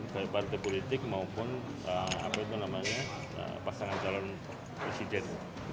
seperti partai politik maupun pasangan jalan presiden